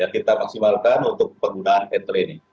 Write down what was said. kita maksimalkan untuk penggunaan entle ini